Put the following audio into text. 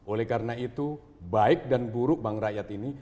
oleh karena itu baik dan buruk bank rakyat ini